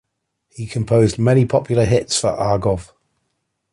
He composed many popular hits for Argov.